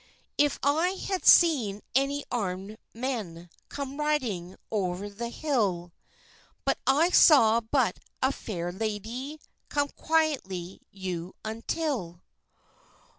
"If I had seen any armèd men Come riding over the hill— But I saw but a fair lady Come quietly you until."